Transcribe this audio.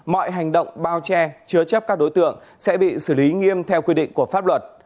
mọi hành động bao che chứa chấp các đối tượng sẽ bị xử lý nghiêm theo quy định của pháp luật